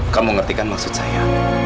kamu ngertikan maksud saya